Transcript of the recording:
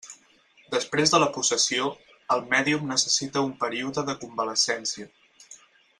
Després de la possessió, el mèdium necessita un període de convalescència.